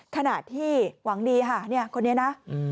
ขณะที่หวังดีค่ะเนี่ยคนนี้นะ